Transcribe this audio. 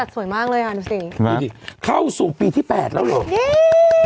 อ่ะตัดสวยมากเลยฮาแน่นุสสิมาไปดิเข้าสู่ปีที่แปดแล้วหรอเย้